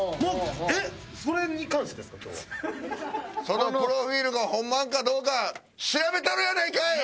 そのプロフィールがホンマかどうか調べたろうやないかい！